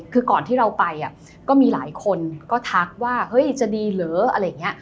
คือก่อนที่เราไปก็มีหลายคนก็ทักว่าเฮ้ยจะดีเหรออะไรอย่างนี้